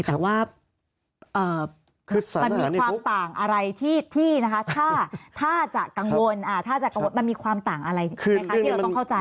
แต่ว่ามีความต่างอะไรที่ถ้าจะกังวลมันมีความต่างอะไรไหมคะที่เราต้องเข้าใจ